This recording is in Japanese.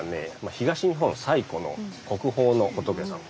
東日本最古の国宝の仏さま。